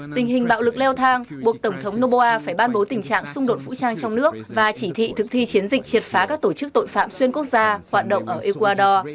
tình hình bạo lực leo thang buộc tổng thống noboa phải ban bố tình trạng xung đột vũ trang trong nước và chỉ thị thực thi chiến dịch triệt phá các tổ chức tội phạm xuyên quốc gia hoạt động ở ecuador